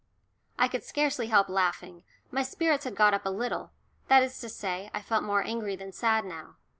I could scarcely help laughing, my spirits had got up a little that is to say, I felt more angry than sad now.